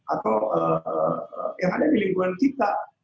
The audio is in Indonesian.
atau yang ada di lingkungan kita